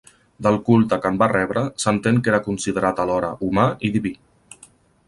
Del culte que en va rebre s'entén que era considerat alhora humà i diví.